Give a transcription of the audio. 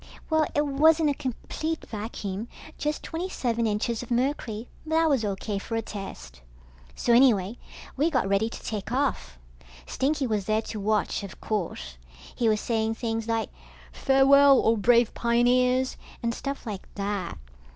Well, it wasn't a complete vacuum, just twenty seven inches of mercury, but that was O.K. for a test. So anyway, we got ready to take off. Stinky was there to watch, of course. He was saying things like, farewell, O brave pioneers, and stuff like that.